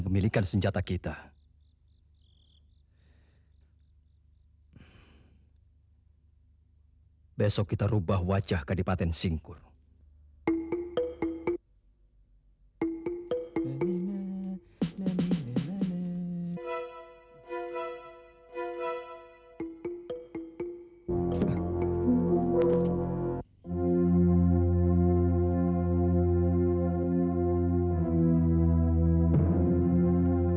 jadi mereka tak merasa perlu memeriksa orang orang yang masuk